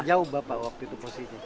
jauh bapak waktu itu posisi